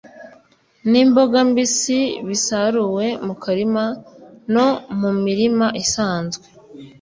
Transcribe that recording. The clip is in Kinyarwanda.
n’imboga mbisi bisaruwe mu karima no mu mirima isanzwe